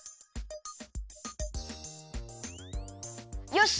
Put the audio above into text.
よし！